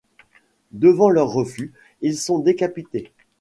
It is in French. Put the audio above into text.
Devant leur refus, ils sont décapités.